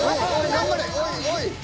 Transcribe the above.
頑張れ！